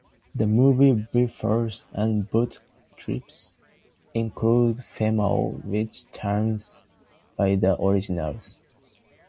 The movies "Beerfest" and "Boat Trip" include female Swedish teams, inspired by the originals.